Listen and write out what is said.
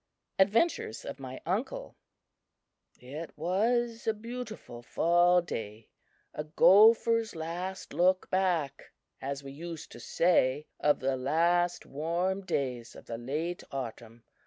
Adventures of My Uncle IT was a beautiful fall day 'a gopher's last look back,' as we used to say of the last warm days of the late autumn.